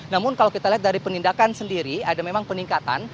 namun kalau kita lihat dari penindakan sendiri ada memang peningkatan